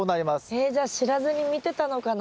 えっじゃあ知らずに見てたのかな。